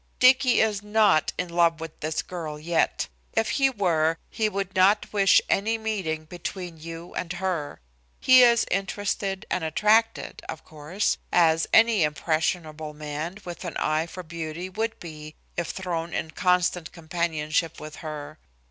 Dicky is not in love with this girl yet. If he were, he would not wish any meeting between you and her. He is interested and attracted, of course, as any impressionable man with an eye for beauty would be if thrown in constant companionship with her.